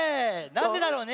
「なんでだろう」ね？